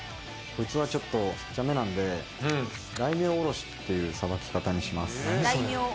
こいつはちょっとちっちゃめなんで、大名おろしっていうさばき方にします。